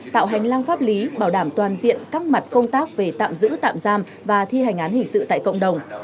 tạo hành lang pháp lý bảo đảm toàn diện các mặt công tác về tạm giữ tạm giam và thi hành án hình sự tại cộng đồng